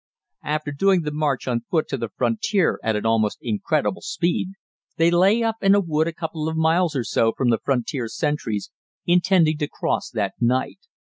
After doing the march on foot to the frontier at an almost incredible speed, they lay up in a wood a couple of miles or so from the frontier sentries, intending to cross that night.